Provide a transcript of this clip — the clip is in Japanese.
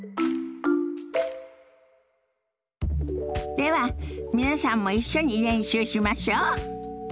では皆さんも一緒に練習しましょ。